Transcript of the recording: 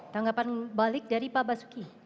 tanggapan balik dari pak basuki